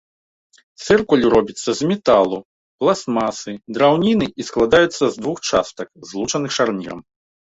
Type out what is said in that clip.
Цыркуль робіцца з металу, пластмасы, драўніны і складаецца з двух частак, злучаных шарнірам.